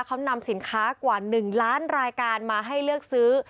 เขานำสินค้ากว่า๑ล้านรายการมาให้เลือกซื้อ